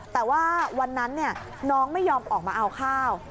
แต่ว่าวันนั้นน้องไม่ยอมออกมาเอาข้าว